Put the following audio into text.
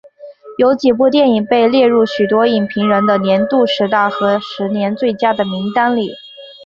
有几部电影被列入许多影评人的年度十大和十年最佳的名单里。